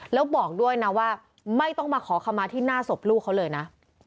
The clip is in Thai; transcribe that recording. แล้วบอกด้วยนะว่าไม่ต้องมาขอคำมาที่หน้าศพลูกเขาเลยนะ